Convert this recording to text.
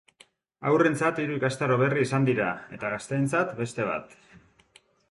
Haurrentzat hiru ikastaro berri izan dira, eta gazteentzat beste bat.